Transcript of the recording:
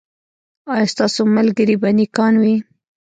ایا ستاسو ملګري به نیکان وي؟